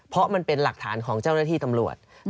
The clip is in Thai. เพราะมันเป็นหลักฐานของเจ้าหน้าที่ตำรวจ